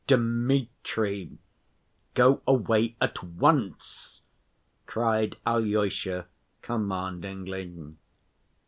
"Dmitri! Go away at once!" cried Alyosha commandingly.